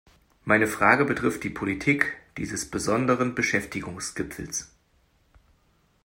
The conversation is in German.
Meine Frage betrifft die Politik dieses besonderen Beschäftigungsgipfels.